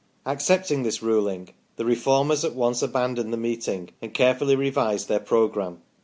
Accepting this ruling, the Reformers at once abandoned the meeting and carefully revised their programme.